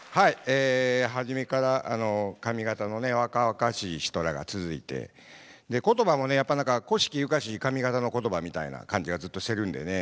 え初めから上方の若々しい人らが続いてで言葉もねやっぱ何か古式ゆかしい上方の言葉みたいな感じがずっとしてるんでね